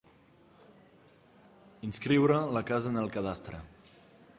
Inscriure la casa en el cadastre.